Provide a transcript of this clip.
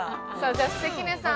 じゃあ関根さん